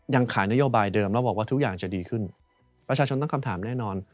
ยังขายนโยบายเดิมแล้วบอกว่าทุกอย่างจะดีขึ้นประชาชนตั้งคำถามแน่นอน